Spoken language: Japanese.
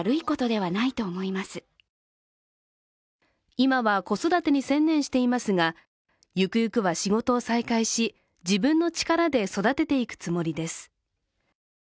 今は子育てに専念していますが、ゆくゆくは仕事を再開し、自分の力で育てていくつもりです。